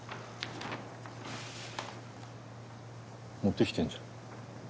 持ってきてんじゃん。